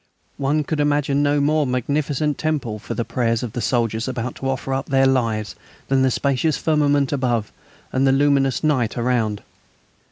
One could imagine no more magnificent temple for the prayers of soldiers about to offer up their lives than the spacious firmament above and the luminous night around.